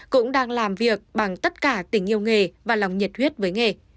cũng đang làm việc bằng tất cả tình yêu nghề và lòng nhiệt huyết với nghề